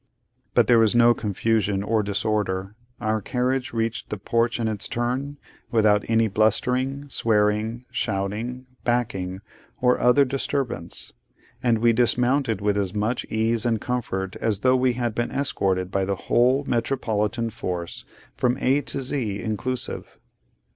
But there was no confusion or disorder. Our carriage reached the porch in its turn, without any blustering, swearing, shouting, backing, or other disturbance: and we dismounted with as much ease and comfort as though we had been escorted by the whole Metropolitan Force from A to Z inclusive.